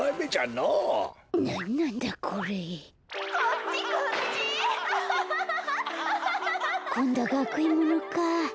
こんどはがくえんものか。